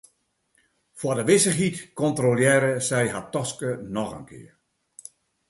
Foar de wissichheid kontrolearre sy har taske noch in kear.